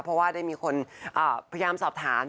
เพราะว่าได้มีคนพยายามสอบถาม